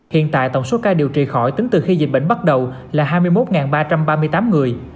hiện tại tổng số ca điều trị khỏi tính từ khi dịch bệnh bắt đầu là hai mươi một ba trăm ba mươi tám người